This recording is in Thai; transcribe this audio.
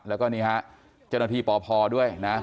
แล้วก็นี่ฮะเจ้าหน้าที่ปพด้วยนะ